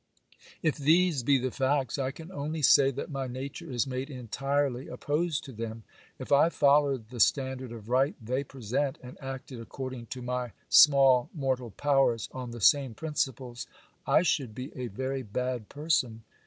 If these be the facts, I can only say that my nature is made entirely opposed to them. If I followed the standard of right they present, and acted according to my small mortal powers on the same principles, I should be a very bad person.